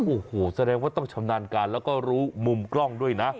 โอ้โหแสดงว่าต้องชำนาญการแล้วก็รู้มุมกล้องด้วยนะ